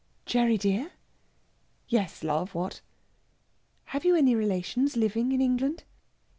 "Gerry dear!" "Yes, love, what?" "Have you any relations living in England?"